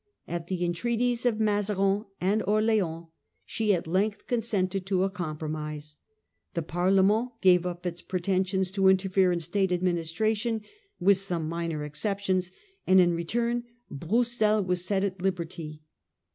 At the entreaties of Mazarin and The court Orleans she at length consented to a corn gives way. promise. The Parlement gave up its preten sions to interfere in State administration, with some minor exceptions ; and in return Broussel was set at liberty.